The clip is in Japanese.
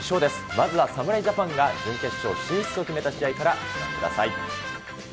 まずは侍ジャパンが準決勝進出を決めた試合からご覧ください。